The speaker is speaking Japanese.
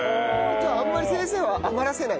じゃああんまり先生は余らせない？